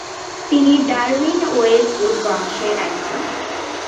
তিনি ডারউইন-ওয়েজউড বংশের একজন।